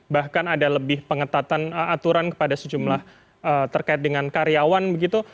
bahkan ada lebih pengetatan aturan kepada sejumlah terkait dengan karyawan begitu